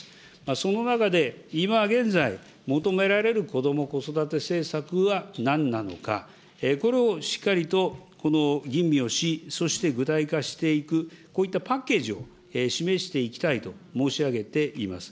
その中で今現在、求められるこども・子育て政策はなんなのか、これをしっかりと吟味をし、そして具体化していく、こういったパッケージを示していきたいと申し上げています。